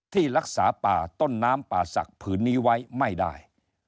ที่รักษาป่าต้นน้ำป่าศักดิ์ผืนนี้ไว้ไม่ได้